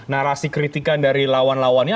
narasi kritikan dari lawan lawannya